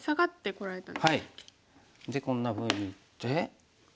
でこんなふうに打って。